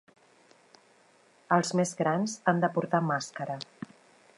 Els més grans han de portar màscara.